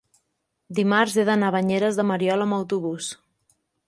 Dimarts he d'anar a Banyeres de Mariola amb autobús.